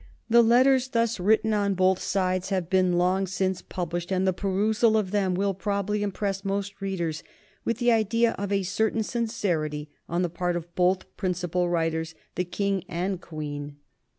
The letters thus written on both sides have long since been published, and the perusal of them will probably impress most readers with the idea of a certain sincerity on the part of both the principal writers, the King and Queen.